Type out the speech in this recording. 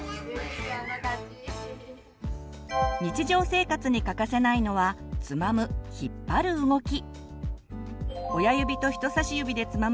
日常生活に欠かせないのはつまむ引っ張る動き。